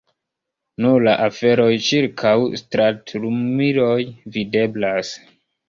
Nur la aferoj ĉirkaŭ stratlumiloj videblas.